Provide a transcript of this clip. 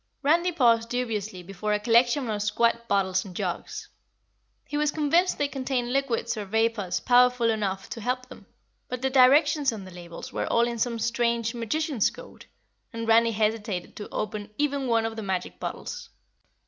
Randy paused dubiously before a collection of squat bottles and jugs. He was convinced they contained liquids or vapors powerful enough to help them, but the directions on the labels were all in some strange magician's code and Randy hesitated to open even one of the magic bottles.